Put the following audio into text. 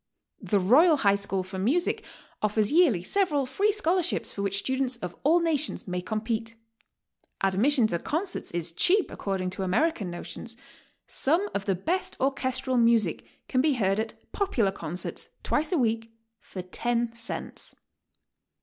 The Royal High School for Music offers yearly several free scholarships for which students of all nations may compete. Adm'ission to concerts is cheap according to American notions; some of the best orchestral music can be heard at "popular con certs" twice a week for 10 cents.